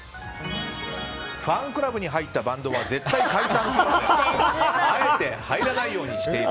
ファンクラブに入ったバンドは絶対解散する。